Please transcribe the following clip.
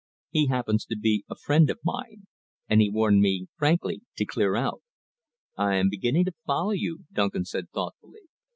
He happens to be a friend of mine, and he warned me frankly to clear out." "I am beginning to follow you," Duncan said thoughtfully.